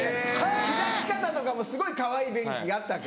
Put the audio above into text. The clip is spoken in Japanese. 開き方とかもすごいかわいい便器があったわけ。